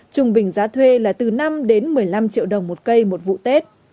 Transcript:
trung bình giá thuê là từ năm đến một mươi năm triệu đồng một cây một vụ tết